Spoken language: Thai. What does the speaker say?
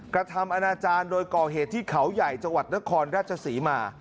กระทำอนาจารย์โดยก่อเหตุที่เขาใหญ่จังหวัดนครราชศรีมา